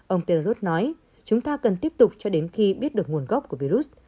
ông taylor lutz nói chúng ta cần tiếp tục cho đến khi biết được nguồn gốc của virus